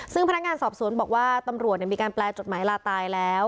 ซึ่งพนักงานสอบสวนบอกว่าตำรวจมีการแปลจดหมายลาตายแล้ว